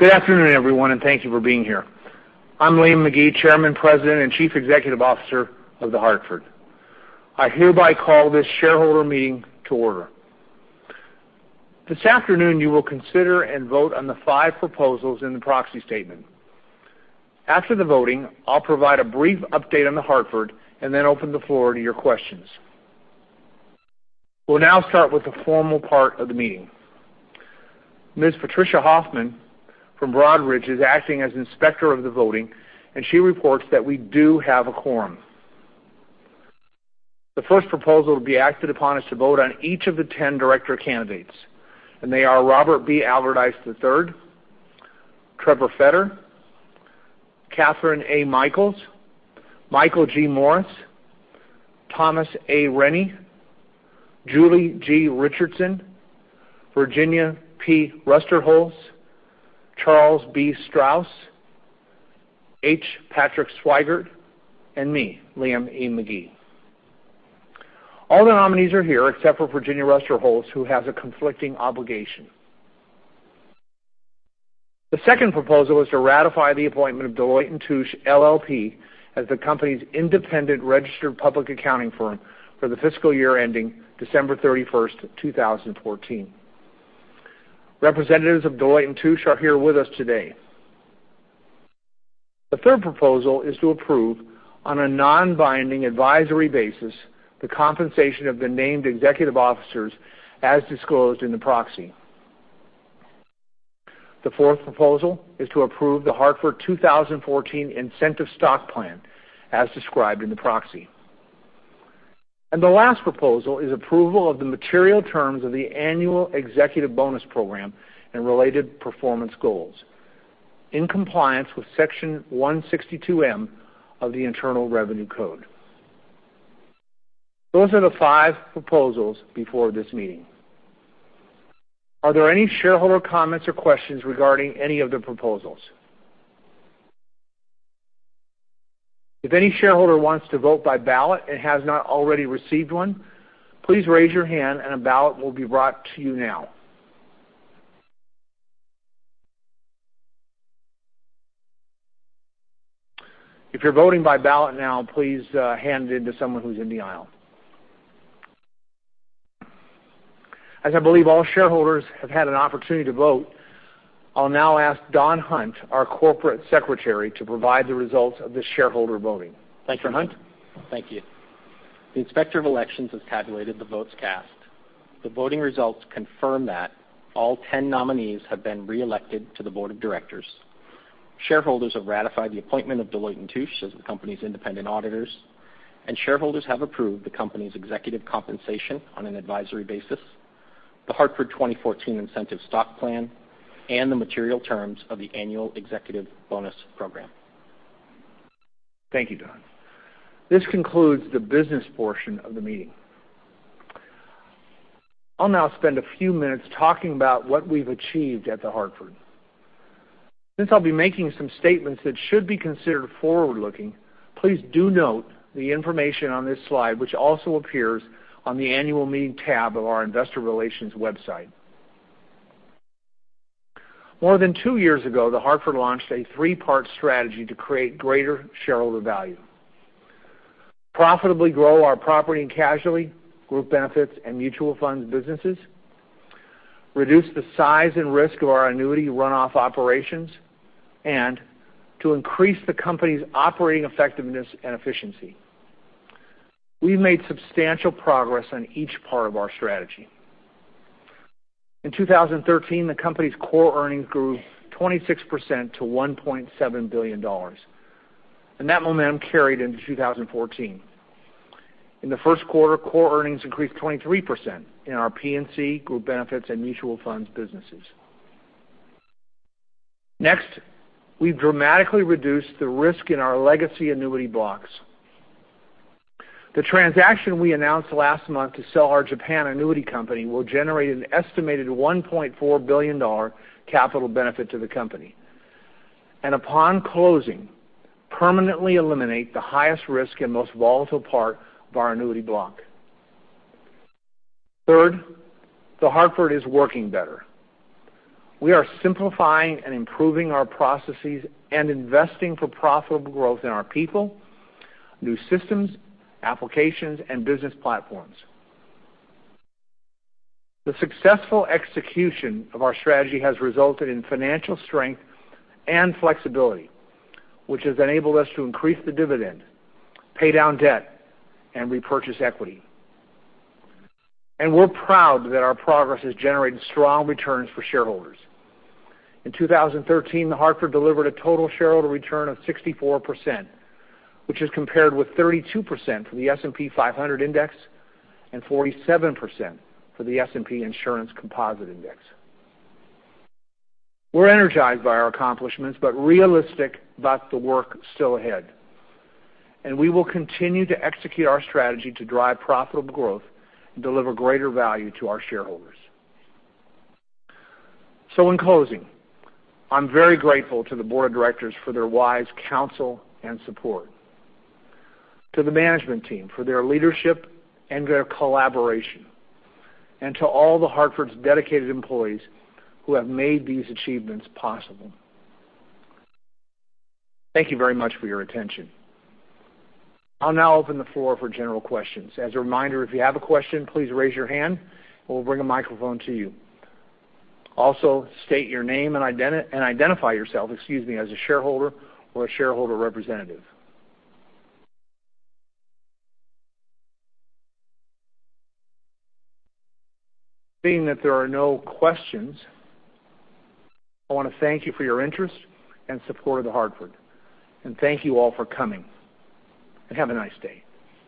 Good afternoon, everyone, and thank you for being here. I'm Liam McGee, Chairman, President, and Chief Executive Officer of The Hartford. I hereby call this shareholder meeting to order. This afternoon, you will consider and vote on the five proposals in the proxy statement. After the voting, I'll provide a brief update on The Hartford and then open the floor to your questions. We'll now start with the formal part of the meeting. Ms. Patricia Hoffman from Broadridge is acting as Inspector of the Voting, and she reports that we do have a quorum. The first proposal to be acted upon is to vote on each of the 10 director candidates, and they are Robert B. Allardice III, Trevor Fetter, Kathryn A. Mikells, Michael G. Morris, Thomas A. Renyi, Julie G. Richardson, Virginia P. Ruesterholz, Charles B. Strauss, H. Patrick Swygert, and me, Liam E. McGee. All the nominees are here except for Virginia Ruesterholz who has a conflicting obligation. The second proposal is to ratify the appointment of Deloitte & Touche LLP as the company's independent registered public accounting firm for the fiscal year ending December 31st, 2014. Representatives of Deloitte & Touche are here with us today. The third proposal is to approve, on a non-binding advisory basis, the compensation of the named executive officers as disclosed in the proxy. The fourth proposal is to approve The Hartford 2014 Incentive Stock Plan as described in the proxy. The last proposal is approval of the material terms of the annual executive bonus program and related performance goals in compliance with Section 162 of the Internal Revenue Code. Those are the five proposals before this meeting. Are there any shareholder comments or questions regarding any of the proposals? If any shareholder wants to vote by ballot and has not already received one, please raise your hand and a ballot will be brought to you now. If you're voting by ballot now, please hand it in to someone who's in the aisle. As I believe all shareholders have had an opportunity to vote, I'll now ask Don Hunt, our Corporate Secretary, to provide the results of the shareholder voting. Mr. Hunt? Thank you. The Inspector of Elections has tabulated the votes cast. The voting results confirm that all 10 nominees have been reelected to the board of directors. Shareholders have ratified the appointment of Deloitte & Touche as the company's independent auditors, and shareholders have approved the company's executive compensation on an advisory basis, The Hartford 2014 Incentive Stock Plan, and the material terms of the annual executive bonus program. Thank you, Don. This concludes the business portion of the meeting. I'll now spend a few minutes talking about what we've achieved at The Hartford. Since I'll be making some statements that should be considered forward-looking, please do note the information on this slide, which also appears on the Annual Meeting tab of our investor relations website. More than two years ago, The Hartford launched a three-part strategy to create greater shareholder value: profitably grow our property and casualty, group benefits, and mutual funds businesses, reduce the size and risk of our annuity runoff operations, and to increase the company's operating effectiveness and efficiency. We've made substantial progress on each part of our strategy. In 2013, the company's core earnings grew 26% to $1.7 billion. That momentum carried into 2014. In the first quarter, core earnings increased 23% in our P&C, group benefits, and mutual funds businesses. Next, we dramatically reduced the risk in our legacy annuity blocks. The transaction we announced last month to sell our Japan annuity company will generate an estimated $1.4 billion capital benefit to the company, and upon closing, permanently eliminate the highest risk and most volatile part of our annuity block. Third, The Hartford is working better. We are simplifying and improving our processes and investing for profitable growth in our people, new systems, applications, and business platforms. The successful execution of our strategy has resulted in financial strength and flexibility, which has enabled us to increase the dividend, pay down debt, and repurchase equity. We're proud that our progress has generated strong returns for shareholders. In 2013, The Hartford delivered a total shareholder return of 64%, which is compared with 32% for the S&P 500 index and 47% for the S&P Composite 1500 Property & Casualty Insurance Index. We're energized by our accomplishments, but realistic about the work still ahead. We will continue to execute our strategy to drive profitable growth and deliver greater value to our shareholders. In closing, I'm very grateful to the board of directors for their wise counsel and support, to the management team for their leadership and their collaboration, and to all The Hartford's dedicated employees who have made these achievements possible. Thank you very much for your attention. I'll now open the floor for general questions. As a reminder, if you have a question, please raise your hand, and we'll bring a microphone to you. Also, state your name and identify yourself as a shareholder or a shareholder representative. Seeing that there are no questions, I want to thank you for your interest and support of The Hartford. Thank you all for coming, and have a nice day.